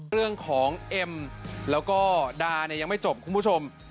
เรื่องของเอ็มแล้วก็ดายังไม่จบคุณผู้ชม